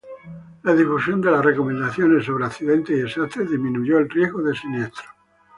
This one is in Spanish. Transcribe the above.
La difusión de las recomendaciones sobre accidentes y desastres disminuyó el riesgo de siniestros.